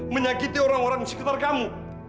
menyakiti orang orang di sekitar kamu